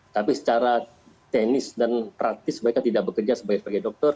tapi secara teknis dan praktis mereka tidak bekerja sebagai dokter